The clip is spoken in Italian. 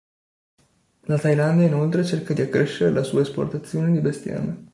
La Thailandia inoltre cerca di accrescere la sua esportazione di bestiame.